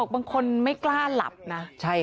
บางคนไม่กล้าหลับนะ